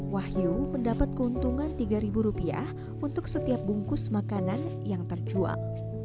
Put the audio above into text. wahyu mendapat keuntungan rp tiga untuk setiap bungkus makanan yang terjual